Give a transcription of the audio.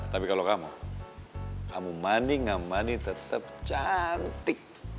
tapi kalau kamu kamu mandi nggak mandi tetap cantik